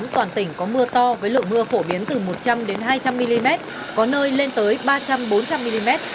toàn tỉnh có mưa to với lượng mưa phổ biến từ một trăm linh hai trăm linh mm có nơi lên tới ba trăm linh bốn trăm linh mm